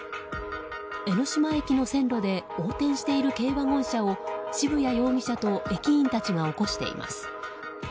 江ノ島駅の線路で横転している軽ワゴン車を渋谷容疑者と駅員たちが起こしています。